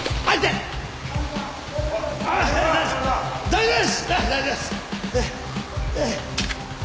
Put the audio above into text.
はい！